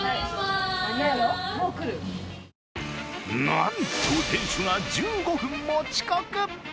なんと店主が１５分も遅刻。